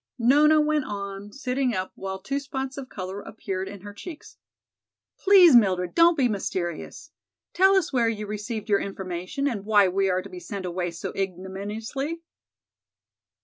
Nona went on, sitting up, while two spots of color appeared in her cheeks. "Please, Mildred, don't be mysterious. Tell us where you received your information and why we are to be sent away so ignominiously?"